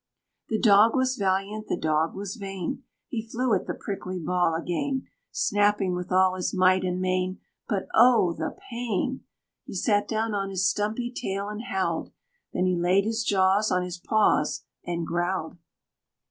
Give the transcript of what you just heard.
The Dog was valiant, the Dog was vain, He flew at the prickly ball again, Snapping with all his might and main, But, oh! the pain! He sat down on his stumpy tail and howled, Then he laid his jaws on his paws and growled.